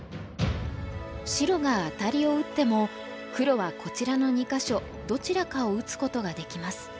白がアタリを打っても黒はこちらの２か所どちらかを打つことができます。